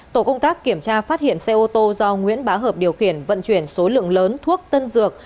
tổ công tác kiểm tra phát hiện xe ô tô do nguyễn bá hợp điều khiển vận chuyển số lượng lớn thuốc tân dược